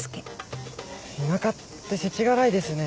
田舎って世知辛いですね。